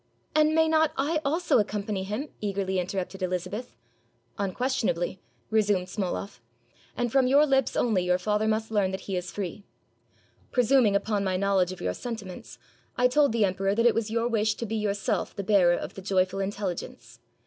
— "And may not I also accompany him?" eagerly interrupted Elizabeth. "Unquestionably," resumed Smoloff, "and from your lips only your father must learn that he is free. Presuming upon my knowledge of your sentiments, I told the emperor that it was your wish to be yourself the bearer of the joyful intelligence.